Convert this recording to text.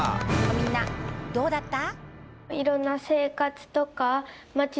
みんなどうだった？